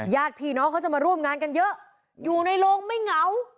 ญาติพี่น้องเขาจะมาร่วมงานกันเยอะอยู่ในโรงไม่เหงา